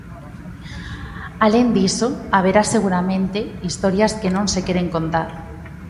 Alén diso, haberá, seguramente, historias que non se queren contar.